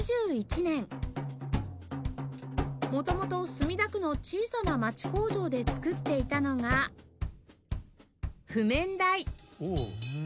元々墨田区の小さな町工場で作っていたのが譜面台